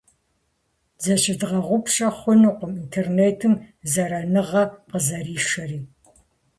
Зыщыдгъэгъупщэ хъунукъым интернетым зэраныгъэ къызэришэри.